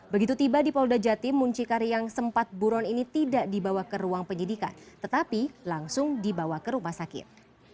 begitu tiba di polda jatim muncikari yang sempat buron ini tidak dibawa ke ruang penyidikan tetapi langsung dibawa ke rumah sakit